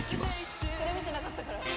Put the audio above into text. これ見てなかったから。